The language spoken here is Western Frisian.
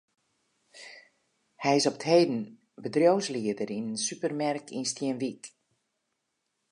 Hy is op 't heden bedriuwslieder yn in supermerk yn Stienwyk.